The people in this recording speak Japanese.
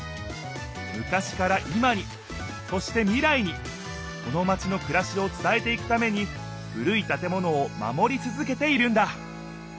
昔から今にそして未来にこのマチのくらしを伝えていくために古い建物を守り続けているんだ